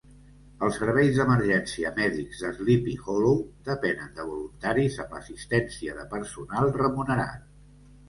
Els serveis d'emergència mèdics de Sleepy Hollow depenen de voluntaris amb l'assistència de personal remunerat.